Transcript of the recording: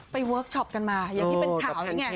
เวิร์คชอปกันมาอย่างที่เป็นข่าวนี่ไง